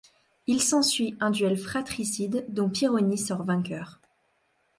Il s'ensuit un duel fratricide dont Pironi sort vainqueur.